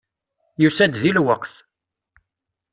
Yusa-d deg lweqt.